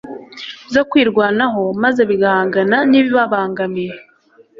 zo kwirwanaho maze bigahangana nibibibangamiye